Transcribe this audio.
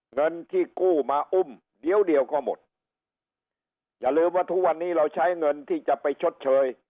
เงินที่กู้มาอุ้มเดี๋ยวเดียวก็หมดอย่าลืมว่าทุกวันนี้เราใช้เงินที่จะไปชดเชย